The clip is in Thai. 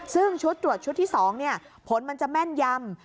ซึ่งชุดตรวจชุดที่๒ผลมันจะแม่นยำ